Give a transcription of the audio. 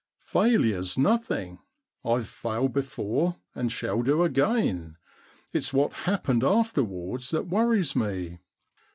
* Failure's nothing. I've failed before and shall do again. It's what happened after wards that worries me.